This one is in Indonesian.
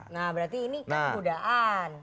nah berarti ini kan godaan